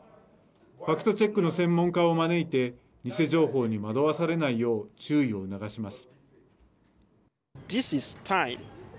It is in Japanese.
ファクトチェックの専門家を招いて偽情報に惑わされないよう注意を促します。